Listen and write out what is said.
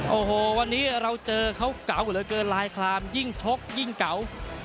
โอ้โหวันนี้เราเจอเขาเก่าเหลือเกินลายคลามยิ่งชกยิ่งเก่า